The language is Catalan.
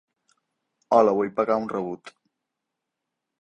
Hola vull pagar un rebut.